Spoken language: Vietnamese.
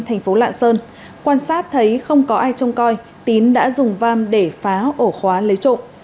thành phố lạng sơn quan sát thấy không có ai trông coi tín đã dùng vam để phá ổ khóa lấy trộm